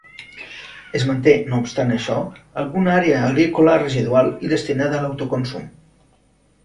Es manté, no obstant això, alguna àrea agrícola residual i destinada a l'autoconsum.